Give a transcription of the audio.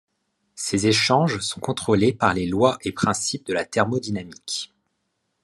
Ces échanges sont contrôlés par les lois et principes de la thermodynamique.